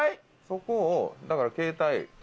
そこをだから携帯。